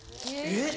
・えっ！？